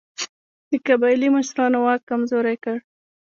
د قبایلي مشرانو واک کمزوری کړ.